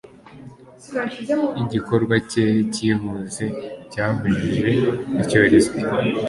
Igikorwa cye cyihuse cyabujije icyorezo.